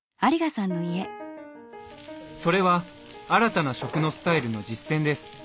それは新たな食のスタイルの実践です。